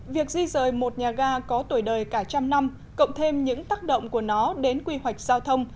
việc di rời một nhà ga có tuổi đời cả trăm năm cộng thêm những tác động của nó đến quy hoạch giao thông